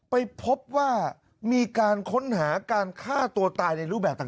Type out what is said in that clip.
ไปพบว่ามีการค้นหาการฆ่าตัวตายในรูปแบบต่าง